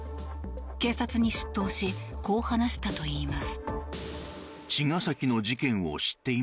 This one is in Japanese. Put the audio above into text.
警察に出頭しこう話したといいます。